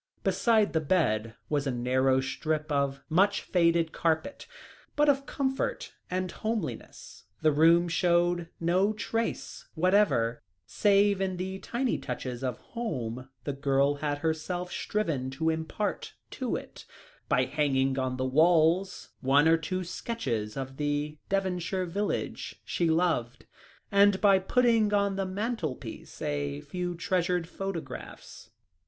Beside the bed was a narrow strip of much faded carpet, but of comfort and homeliness the room showed no trace whatever, save in the tiny touches of home the girl had herself striven to impart to it, by hanging on the walls one or two sketches of the Devonshire village she loved, and by putting on the mantelpiece a few treasured photographs.